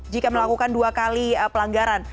jika melakukan dua kali pelanggaran